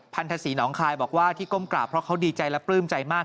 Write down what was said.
พันธศรีหนองคายบอกว่าที่ก้มกราบเพราะเขาดีใจและปลื้มใจมาก